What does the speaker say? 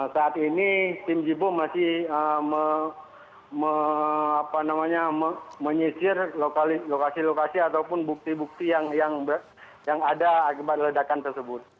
saat ini tim jibom masih menyisir lokasi lokasi ataupun bukti bukti yang ada akibat ledakan tersebut